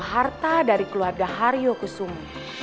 harta dari keluarga haryo kusumo